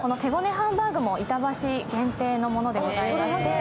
ハンバーグも板橋店限定のものでして。